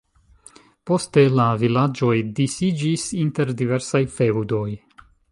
Poste la vilaĝoj disiĝis inter diversaj feŭdoj.